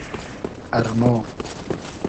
ارمۉ